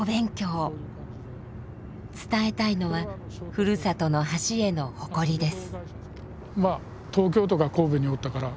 伝えたいのはふるさとの橋への誇りです。